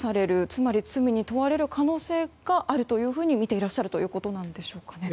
つまり罪に問われる可能性があるとみてらっしゃるということでしょうかね。